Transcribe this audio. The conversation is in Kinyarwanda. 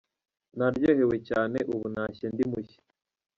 Naryohewe cyane, ubu ntashye ndi mushya.